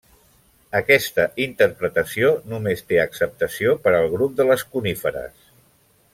Aquesta interpretació només té acceptació per al grup de les coníferes.